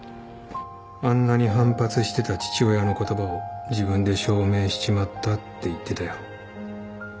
あんなに反発してた父親の言葉を自分で証明しちまったって言ってたよ。